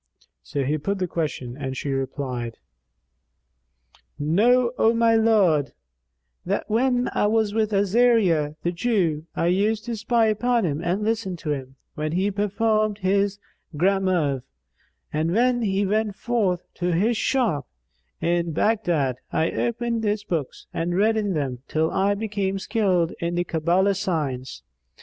So he put the question and she replied, "Know, O my lord, that, when I was with Azariah the Jew, I used to spy upon him and listen to him, when he performed his gramarye; and when he went forth to his shop in Baghdad, I opened his books and read in them, till I became skilled in the Cabbala science.